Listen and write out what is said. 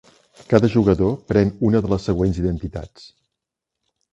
Cada jugador pren una de les següents identitats.